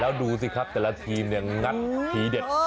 แล้วดูสิครับแต่ละทีมเนี่ยงัดทีเด็ด